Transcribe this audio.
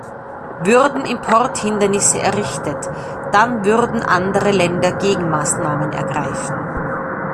Würden Importhindernisse errichtet, dann würden andere Länder Gegenmaßnahmen ergreifen.